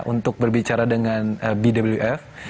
untuk berbicara dengan bwf